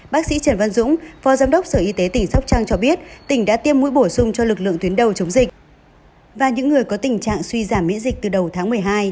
bác sĩ trần văn dũng phó giám đốc sở y tế tỉnh sóc trăng cho biết tỉnh đã tiêm mũi bổ sung cho lực lượng tuyến đầu chống dịch và những người có tình trạng suy giảm miễn dịch từ đầu tháng một mươi hai